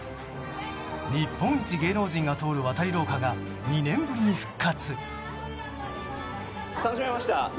日本一芸能人が通る渡り廊下が２年ぶりに復活。